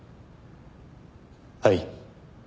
はい。